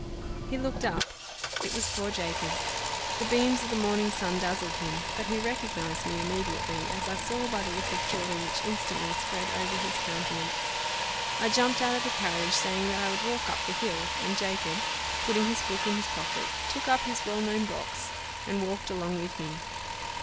He looked up. It was poor Jacob. The beams of the morning sun dazzled him; but he recognized me immediately, as I saw by the look of joy which instantly spread over his countenance. I jumped out of the carriage, saying that I would walk up the hill, and Jacob, putting his book in his pocket, took up his well known box, and walked along with me.